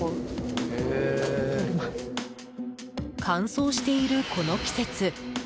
乾燥しているこの季節。